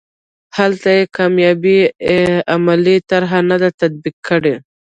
هلته یې کامیابه عملي طرحه نه ده تطبیق کړې.